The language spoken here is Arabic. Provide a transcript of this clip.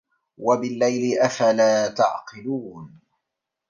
وَبِاللَّيلِ أَفَلا تَعقِلونَ